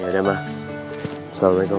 ya udah mah assalamualaikum